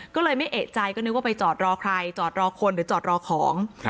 ก็เลยไม่เอกใจก็นึกว่าไปจอดรอใครจอดรอคนหรือจอดรอของ